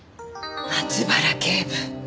松原警部。